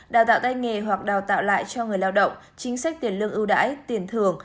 đào tạo tay nghề hoặc đào tạo lại cho người lao động chính sách tiền lương ưu đãi tiền thưởng